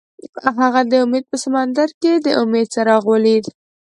هغه د امید په سمندر کې د امید څراغ ولید.